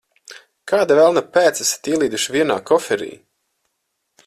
Kāda velna pēc esat ielīduši vienā koferī?